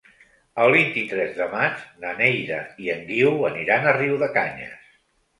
El vint-i-tres de maig na Neida i en Guiu aniran a Riudecanyes.